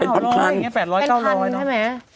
เป็นพันเป็นพันใช่ไหม